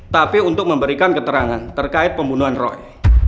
tapi untuk memberikan keterangan terkait pembunuhan roy